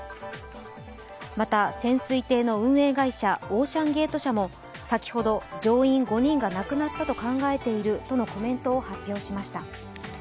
また、潜水艇の運営会社オーシャンゲート社も先ほど、乗員５人が亡くなったと考えているとのコメントを発表しました。